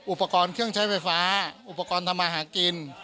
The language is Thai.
อุปกรณ์เครื่องใช้ไฟฟ้าอุปกรณ์ทำมาหากิน